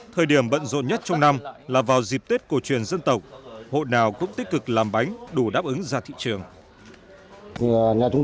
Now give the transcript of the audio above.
thời điểm bận rộn nhất trong năm là vào dịp tết cổ truyền dân tộc hộ nào cũng tích cực làm bánh đủ đáp ứng ra thị trường